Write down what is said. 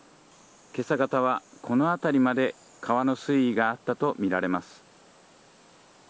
今朝方は、この辺りまで川の水位があったとみられます。